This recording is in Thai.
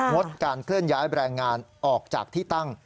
ดการเคลื่อนย้ายแบรนด์งานออกจากที่ตั้ง